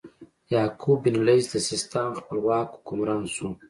یعقوب بن اللیث د سیستان خپلواک حکمران شو.